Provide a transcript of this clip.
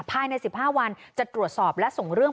ภายใน๑๕วันจะตรวจสอบและส่งเรื่อง